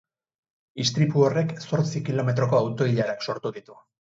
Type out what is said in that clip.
Istripu horrek zortzi kilometroko auto-ilarak sortu ditu.